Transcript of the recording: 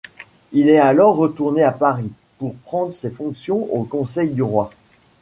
Il est alors retourné à Paris pour prendre ses fonctions au Conseil du roi.